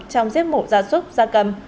trong giếp mổ da súc da cầm